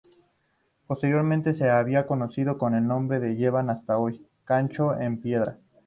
Posteriormente se harían conocidos con el nombre que llevan hasta hoy, Chancho en Piedra.